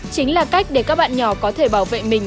chính là cách để các bạn nhỏ có thể bảo vệ mình